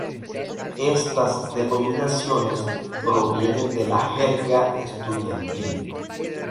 Estas denominaciones provienen de la jerga estudiantil.